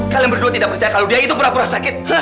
kalian berdua tidak percaya kalau dia itu berasakit